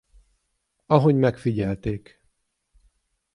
Ahogy megfigyelték.